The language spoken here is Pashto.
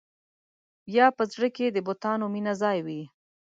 یا په زړه کې د بتانو مینه ځای وي.